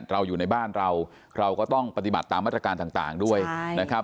เราอยู่ในบ้านเราเราก็ต้องปฏิบัติตามมาตรการต่างด้วยนะครับ